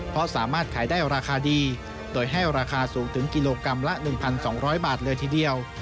เพราะสามารถขายได้ราคาดีโดยให้ราคาสูงถึงกิโลกรัมละ๑๒๐๐บาทเลยทีเดียว